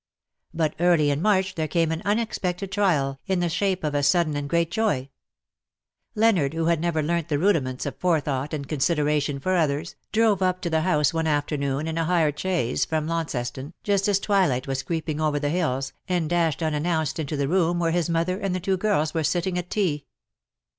But early in March there came an unexpected trial, in the shape of a sudden and great joy. '•'love will have, his day." 51 Leonard^ who bad never learnt the rudiments of forethought and consideration for others, drove up to the house one afternoon in a hired chaise from Launceston, just as twilight was creeping over the hillsj and dashed unannounced into the room where his mother and the two girls were sitting at tea.